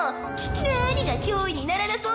なにが「脅威にならなそう」